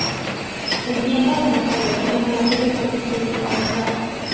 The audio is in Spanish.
En tiempos de Napoleón el monasterio fue secularizado.